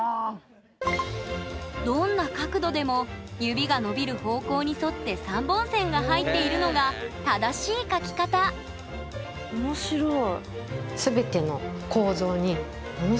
どんな角度でも指が伸びる方向に反って３本線が入っているのが正しい描き方そう。